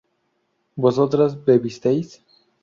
vosotras bebisteis